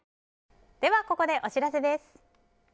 ここでお知らせです。